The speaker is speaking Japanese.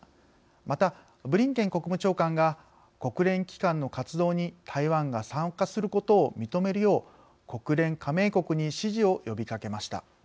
また、ブリンケン国務長官が国連機関の活動に台湾が参加することを認めるよう国連加盟国に支持を呼びかけました。